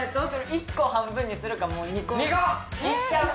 １個半分にするかもう２個いっちゃう？